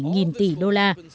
khoảng ba bốn mươi bảy tỷ đô la